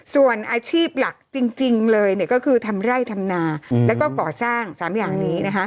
ส่วนอาชีพหลักจริงเลยก็คือทำไร่ทำนาแล้วก็ก่อสร้าง๓อย่างนี้นะคะ